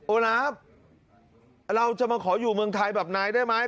นาฟเราจะมาขออยู่เมืองไทยแบบนายได้ไหม